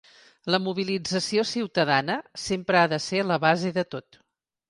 La mobilització ciutadana sempre ha de ser a la base de tot.